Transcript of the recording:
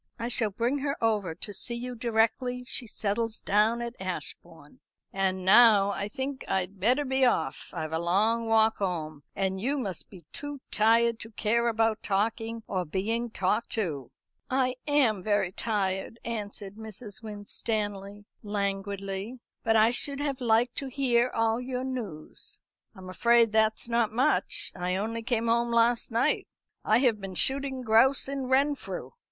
"I shall bring her over to see you directly she settles down at Ashbourne. And now I think I'd better be off; I've a long walk home, and you must be too tired to care about talking or being talked to." "I am very tired," answered Mrs. Winstanley languidly; "but I should have liked to hear all your news." "I'm afraid that's not much. I only came home last night; I have been shooting grouse in Renfrew."